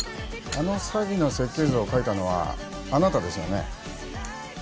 あの詐欺の設計図を書いたのはあなたですよね？